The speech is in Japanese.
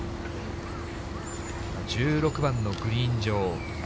１６番のグリーン上。